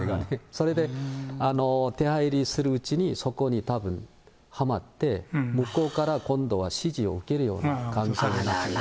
それで、出入りするうちに、そこにたぶんはまって、向こうから今度は指示を受けるように、関係になって。